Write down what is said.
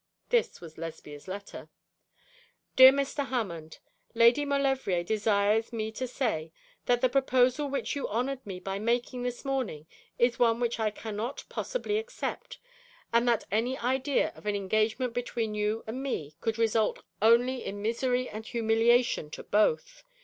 This was Lesbia's letter: 'Dear Mr. Hammond, Lady Maulevrier desires me to say that the proposal which you honoured me by making this morning is one which I cannot possibly accept, and that any idea of an engagement between you and me could result only in misery and humiliation to both.